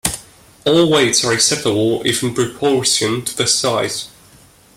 All weights are acceptable if in proportion to the size.